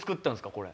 これ。